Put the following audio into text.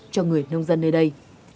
cho người nông dân nơi đây